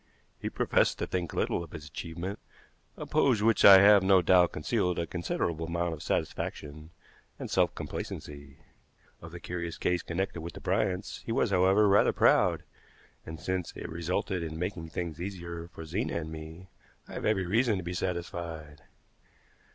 He professed to think little of his achievement, a pose which I have no doubt concealed a considerable amount of satisfaction and self complacency. Of the curious case connected with the Bryants, he was, however, rather proud; and, since it resulted in making things easier for Zena and me, I have every reason to be satisfied.